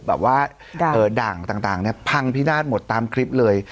แบบว่าเอ่อดั่งต่างต่างเนี้ยพังที่หน้าหมดตามคลิปเลย